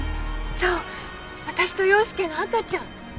そう私と陽佑の赤ちゃん！